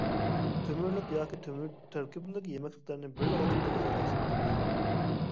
تۆمۈرلۈك ياكى تۆمۈر تەركىبلىك يېمەكلىكلەرنى بىرلا ۋاقىتتا غىزالانسا بولىدۇ.